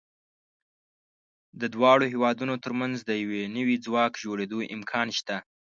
د دواړو هېوادونو تر منځ د یو نوي ځواک جوړېدو امکان شته.